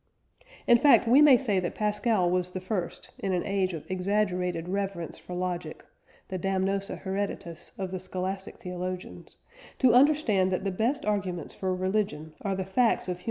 In fact, we may say that Pascal was the first, in an age of exaggerated reverence for logic (the damnosa hereditas of the Scholastic theologians) to understand that the best arguments for religion are the facts of human experience, and the conditions of human life.